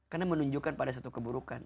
karena menunjukkan pada satu keburukan